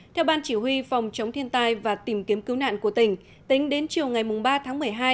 theo ban chỉ huy phòng chống thiên tai và tìm kiếm cứu nạn của tỉnh tính đến chiều ngày ba tháng một mươi hai